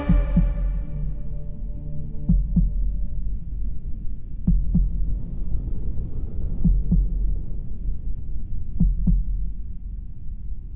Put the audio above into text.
น้องตาชอบให้แม่ร้องเพลง๒๐